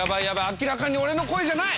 明らかに俺の声じゃない！